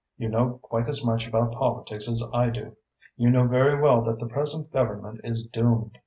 You know quite as much about politics as I do. You know very well that the present Government is doomed.